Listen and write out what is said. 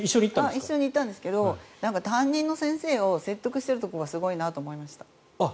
一緒に行ったんですけど担任の先生を説得しているのがすごいなと思いました。